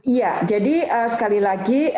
iya jadi sekali lagi